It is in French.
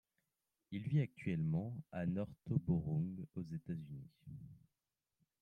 Il vit actuellement à Northborough aux États-Unis.